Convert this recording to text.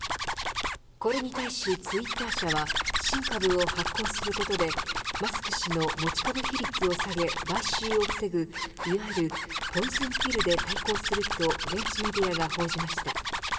これに対しツイッター社は新株を発行することでマスク氏の持ち株比率を下げ買収を防ぐいわゆるポイズンピルで対抗すると現地メディアが報じました。